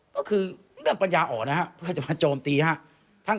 ก็คือเรื่องปัญญาอ่อนนะครับเพื่อจะมาโจมตีครับ